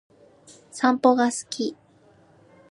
散歩が好き